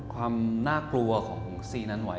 ความน่ากลัวของซีนั้นไว้